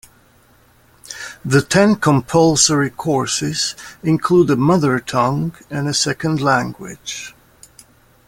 The ten compulsory courses include a mother tongue and a second language.